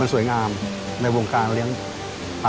ไปดูกันค่ะว่าหน้าตาของเจ้าปาการังอ่อนนั้นจะเป็นแบบไหน